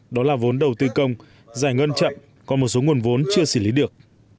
đó là vốn đầu tư công giải ngân chậm còn một số nguồn vốn chưa xử lý được